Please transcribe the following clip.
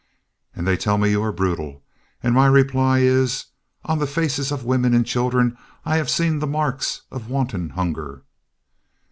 And they tell me you are brutal and my reply is: On the faces of women and children I have seen the marks of wanton hunger.